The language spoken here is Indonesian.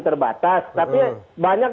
terbatas tapi banyak